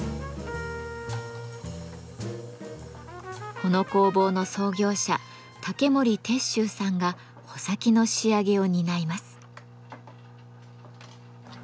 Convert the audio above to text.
この工房の創業者竹森鉄舟さんが穂先の仕上げを担います。